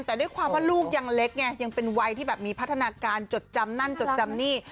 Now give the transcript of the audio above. แต่ด้วยความว่าลูกยังเล็กไงยังเป็นวัยที่แบบมีพัฒนาการจดจำนั่นจดจำนี่